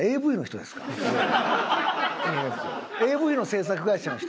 ＡＶの制作会社の人？